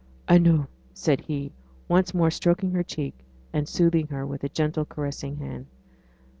'I know,' said he, once more stroking her cheek, and soothing her with gentle, caressing hand.